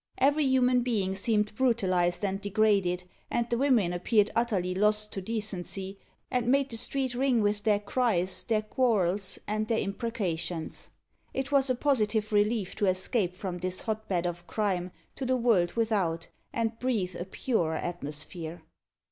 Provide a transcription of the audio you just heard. Every human being seemed brutalised and degraded; and the women appeared utterly lost to decency, and made the street ring with their cries, their quarrels, and their imprecations. It was a positive relief to escape from this hotbed of crime to the world without, and breathe a purer atmosphere.